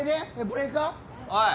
ブレーカー？おい！